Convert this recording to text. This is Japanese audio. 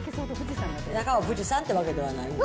中が富士山っていうわけではないんか。